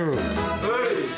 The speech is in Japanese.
はい。